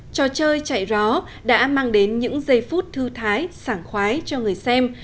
trò chơi chạy gió đã mang đến những giây phút thư thái sảng khoái cho người xem